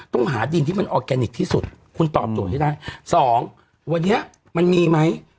หาดินที่มันออร์แกนิคที่สุดคุณตอบโจทย์ให้ได้สองวันนี้มันมีไหม